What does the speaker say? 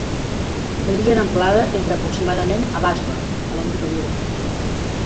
Varia en amplada entre aproximadament a Basra a l'embocadura.